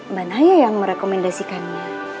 mbak naya yang merekomendasikannya